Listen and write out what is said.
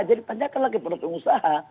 jadi tanyakan lagi pada pengusaha